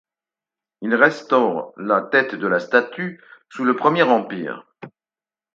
Il restaure la tête de la statue sous le Premier Empire.